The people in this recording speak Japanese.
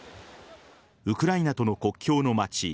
ウクライナとの国境の街